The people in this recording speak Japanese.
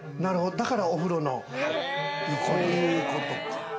だから、お風呂の横ということか。